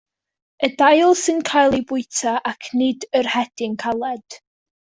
Y dail sy'n cael eu bwyta ac nid yr hedyn caled.